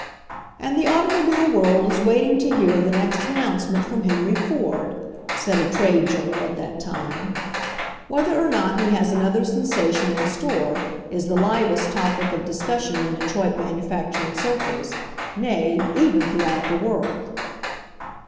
"And the automobile world is waiting to hear the next announcement from Henry Ford/' said a trade journal at that time. "Whether or not he has another sensation in store is the livest topic of discussion in Detroit manufacturing cir cles — nay, even throughout the world."